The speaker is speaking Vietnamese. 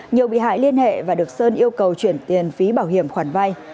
nhiều bị hại liên hệ và được sơn yêu cầu chuyển tiền phí bảo hiểm khoản vay